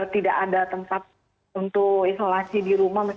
tidak ada tempat untuk isolasi di rumah